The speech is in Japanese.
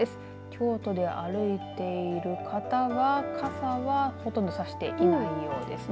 京都で歩いている方が傘はほとんど差していないようです。